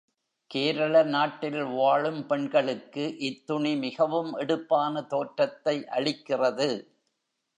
கேரள நாட்டில் வாழும் பெண்களுக்கு இத்துணி மிகவும் எடுப்பான தோற்றத்தை அளிக்கிறது.